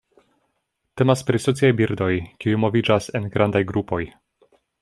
Temas pri sociaj birdoj kiuj moviĝas en grandaj grupoj.